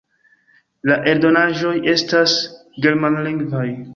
La eldonaĵoj estas germanlingvaj.